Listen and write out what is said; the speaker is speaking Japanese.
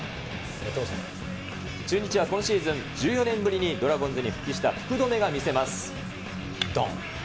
中日は今シーズン１４年ぶりにドラゴンズに復帰した福留が見せます。